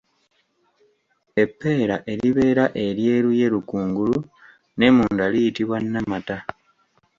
Eppeera eribeera eryeruyeru kungulu ne munda liyitibwa Nnamata.